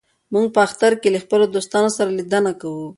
موږ په اختر کې له خپلو دوستانو سره لیدنه کوو.